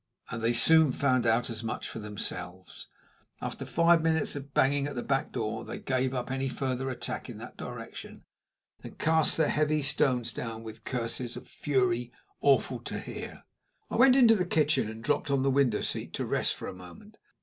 And they soon found out as much for themselves. After five minutes of banging at the back door they gave up any further attack in that direction and cast their heavy stones down with curses of fury awful to hear. I went into the kitchen and dropped on the window seat to rest for a moment.